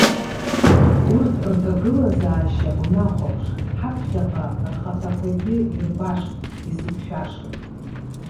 Урҭ рҭагылазаашьа унахәаԥш, ҳаԥхьаҟа рхаҭақәагьы ирбашт изықәшәаша!